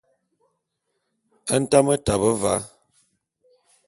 Ntame tabe va.